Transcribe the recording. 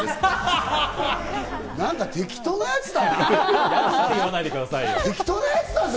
何か適当なやつだぞ。